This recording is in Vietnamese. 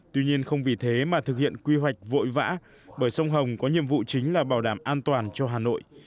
tuy nhiên không vì thế mà thực hiện quy hoạch vội vã bởi sông hồng có nhiệm vụ chính là bảo đảm an toàn cho hà nội